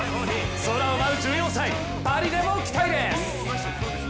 空を舞う１４歳、パリでも期待です。